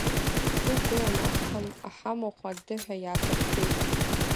Снықәгылан аҳамахә, аддыҳәа иаасыршәшәеит.